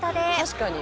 「確かに。